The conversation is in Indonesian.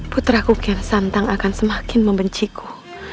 putraku yang santang akan semakin membenciku